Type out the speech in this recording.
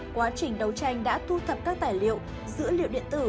quá trình đấu tranh đã thu thập các tài liệu dữ liệu điện tử